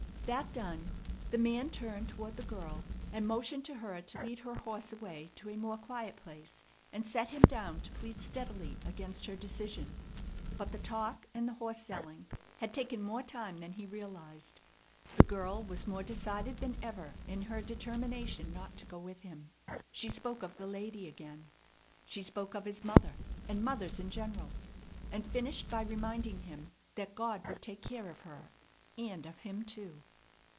That done, the man turned toward the girl and motioned to her to lead her horse away to a more quiet place, and set him down to plead steadily against her decision. But the talk and the horse selling had taken more time than he realized. The girl was more decided than ever in her determination not to go with him. She spoke of the lady again. She spoke of his mother, and mothers in general, and finished by reminding him that God would take care of her, and of him, too.